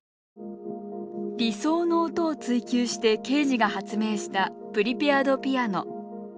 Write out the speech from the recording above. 理想の音を追求してケージが発明したプリペアド・ピアノ。